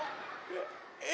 え？